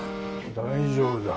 大丈夫だ。